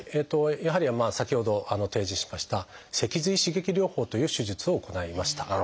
やはり先ほど提示しました「脊髄刺激療法」という手術を行いました。